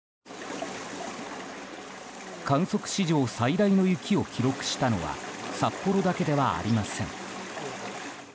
観測史上最大の雪を記録したのは札幌だけではありません。